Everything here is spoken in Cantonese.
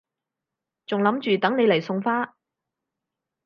仲諗住等你嚟送花